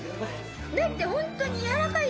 だってホントにやわらかい。